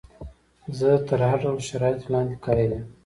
زه تر هر ډول شرایطو لاندې قایل یم.